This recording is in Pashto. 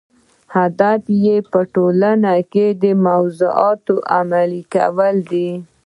هدف یې په ټولنه کې د موضوعاتو عملي کول دي.